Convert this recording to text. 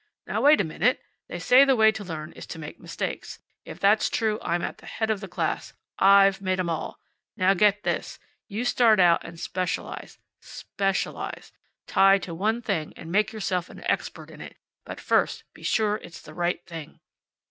"Now wait a minute. They say the way to learn is to make mistakes. If that's true, I'm at the head of the class. I've made 'em all. Now get this. You start out and specialize. Specialize! Tie to one thing, and make yourself an expert in it. But first be sure it's the right thing."